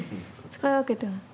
使い分けてます。